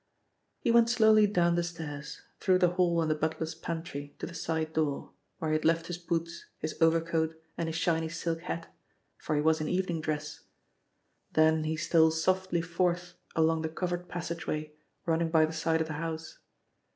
He went slowly down the stairs, through the hall and the butler's pantry to the side door, where he had left his boots, his overcoat and his shiny silk hat, for he was in evening dress. Then he stole softly forth along the covered passageway running by the side of the house.